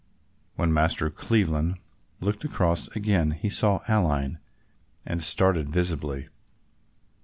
When Master Cleveland looked across again he saw Aline and started visibly.